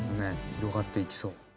広がっていきそう。